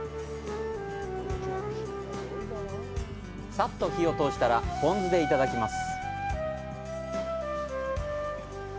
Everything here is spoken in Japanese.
さっと火を通したら、ポン酢でいただきます。